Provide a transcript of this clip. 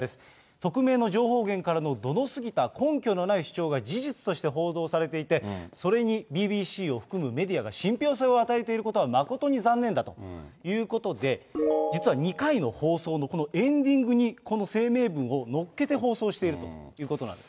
匿名の情報源からの度の過ぎた根拠のない主張が事実として報道されていて、それにＢＢＣを含むメディアが信ぴょう性を与えていることは誠に残念だということで、実は２回の放送のこのエンディングに、この声明文をのっけて放送しているということなんです。